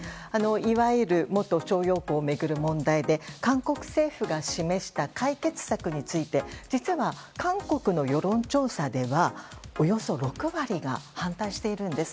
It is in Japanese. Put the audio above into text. いわゆる元徴用工を巡る問題で韓国政府が示した解決策について実は、韓国の世論調査ではおよそ６割が反対しているんです。